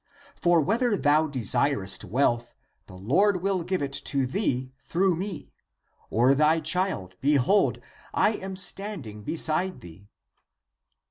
For whether thou desirest wealth, the Lord will give it to thee through me ; or thy child, behold, I am standing beside thee."